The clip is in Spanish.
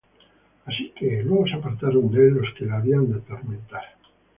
Así que, luego se apartaron de él los que le habían de atormentar: